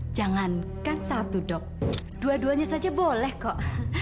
jangankan satu dok dua duanya saja boleh kok